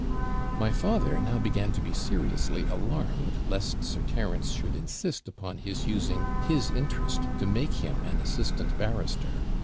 'My father now began to be seriously alarmed, lest Sir Terence should insist upon his using his interest to make him an assistant barrister.